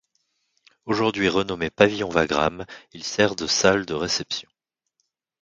Aujourd'hui renommé Pavillon Wagram, il sert de salle de réception.